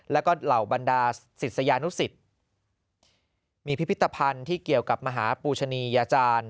แล้วก็เหล่าบรรดาศิษยานุสิตมีพิพิธภัณฑ์ที่เกี่ยวกับมหาปูชนียาจารย์